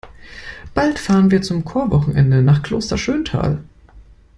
Bald fahren wir zum Chorwochenende nach Kloster Schöntal.